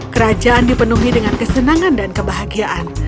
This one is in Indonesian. kerajaan dipenuhi dengan kesenangan dan kebahagiaan